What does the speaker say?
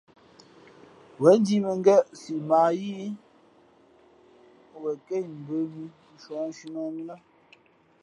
Wěn ndíʼ mᾱngén siʼ mα ǎ yíí wen kα̌ imbə̄ mī nshūᾱ nshǐnᾱh mǐ lά.